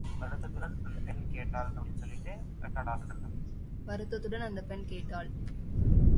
வருத்தத்துடன் அந்த பெண் கேட்டாள்.